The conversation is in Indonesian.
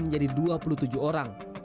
menjadi dua puluh tujuh orang